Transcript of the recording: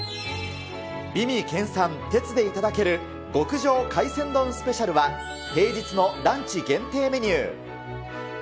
美味研鑽テツで頂ける極上海鮮丼スペシャルは、平日のランチ限定メニュー。